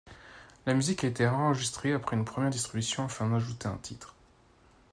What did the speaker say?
La musique a été réenregistrée après une première distribution afin d'ajouter un titre.